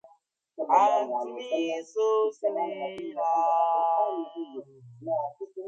The walls are to have a northern and southern entrance.